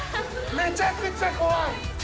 めちゃくちゃ怖い。